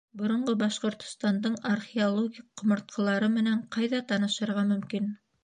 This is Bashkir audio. Боронғо Башҡортостандың археологик ҡомартҡылары менән ҡайҙа танышырға мөмкин?